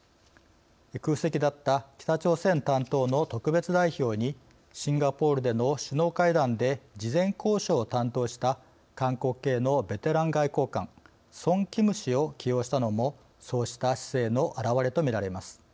空席だった北朝鮮担当の特別代表にシンガポールでの首脳会談で事前交渉を担当した韓国系のベテラン外交官ソン・キム氏を起用したのもそうした姿勢の表れとみられます。